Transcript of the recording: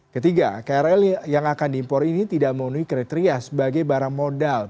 ketiga krl yang akan diimpor ini tidak memenuhi kriteria sebagai barang modal